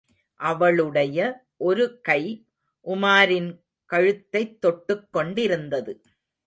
அவளுடைய ஒரு கை உமாரின் கழுத்தைத் தொட்டுக் கொண்டிருந்தது.